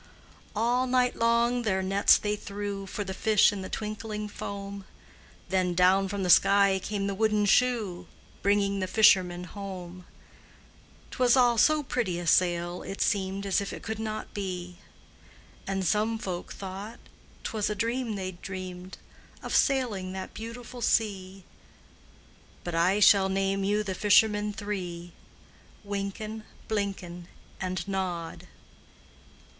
All night long their nets they threw For the fish in the twinkling foam, Then down from the sky came the wooden shoe, Bringing the fishermen home; 'T was all so pretty a sail, it seemed As if it could not be; And some folk thought 't was a dream they'd dreamed Of sailing that beautiful sea; But I shall name you the fishermen three: Wynken, Blynken, And Nod.